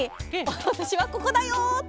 「わたしはここだよ！」って。